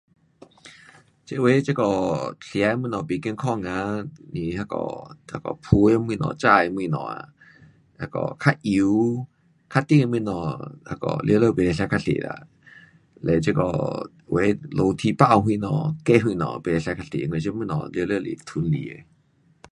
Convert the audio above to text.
这有的这个吃的东西不健康啊，是那个，那个炸的东西，炸的东西啊较油，较甜的东西那个全部不可吃较多啦。嘞，这个有的 roti bao 什么，cake 什么 pun 不可吃太多。因为这东西全部都是糖来的。